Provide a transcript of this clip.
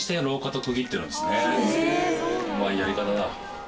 うまいやり方だ。